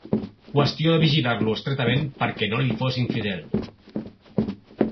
Qüestió de vigilar-lo estretament perquè no li fos infidel.